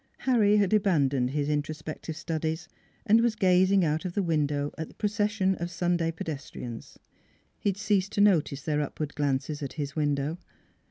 Harry had abandoned his introspective studies and was gazing out of the window at the procession of Sunday pedestrians. He had ceased to notice their upward glances at his window.